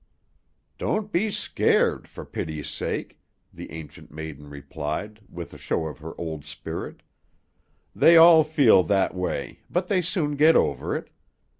"Don't be scared, for pity's sake," the Ancient Maiden replied, with a show of her old spirit. "They all feel that way, but they soon get over it.